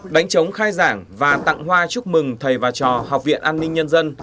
đánh chống khai giảng và tặng hoa chúc mừng thầy và trò học viện an ninh nhân dân